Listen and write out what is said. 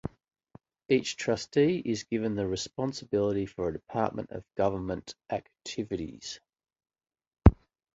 Each trustee is given the responsibility for a department of government activities.